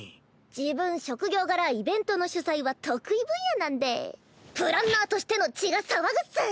自分職業柄イベントの主催は得意分野なんでプランナーとしての血が騒ぐっス！